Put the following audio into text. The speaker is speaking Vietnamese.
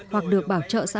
hoặc được bảo vệ